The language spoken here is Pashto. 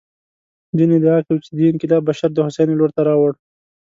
ځینې ادعا کوي چې دې انقلاب بشر د هوساینې لور ته راوړ.